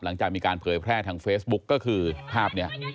หลังจากมีการเผยแพร่ทางเฟซบุ๊กก็คือภาพนี้